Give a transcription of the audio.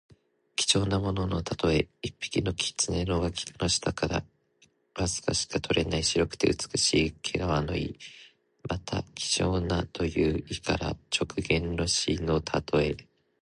貴重なもののたとえ。一匹の狐の脇の下からわずかしか取れない白くて美しい毛皮の意。また、希少なという意から直言の士のたとえ。